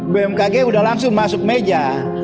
bmkg sudah langsung masuk meja